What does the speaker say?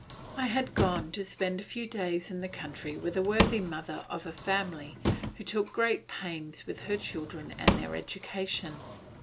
I had gone to spend a few days in the country with a worthy mother of a family who took great pains with her children and their education.